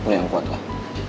lo yang kuatlah